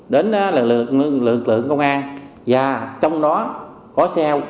đến lực lượng công an và trong đó có xeo